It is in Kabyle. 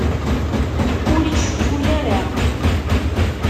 Ur iceffu ara.